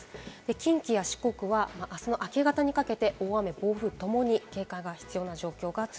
近畿や四国ではあすの明け方にかけて大雨、暴風ともに警戒が必要